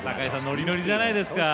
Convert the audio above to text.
ノリノリじゃないですか。